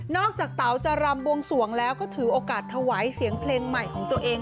จากเต๋าจะรำบวงสวงแล้วก็ถือโอกาสถวายเสียงเพลงใหม่ของตัวเอง